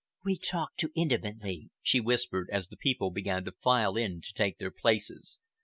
"We talk too intimately," she whispered, as the people began to file in to take their places.